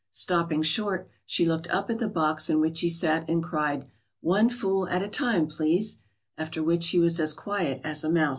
Stopping short, she looked up at the box in which he sat, and cried: "One fool at a time, please," after which he was as quiet as a mouse.